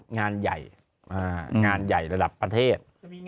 งานใหญ่ระดับประเทศ